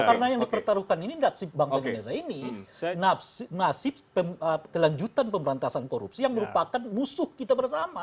karena yang dipertaruhkan ini bangsa indonesia ini nasib kelanjutan pemberantasan korupsi yang merupakan musuh kita bersama